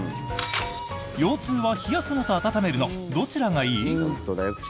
腰痛は冷やすのと温めるのどちらがいい？